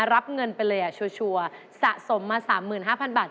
รับเงินไปเลยชัวร์สะสมมา๓๕๐๐บาท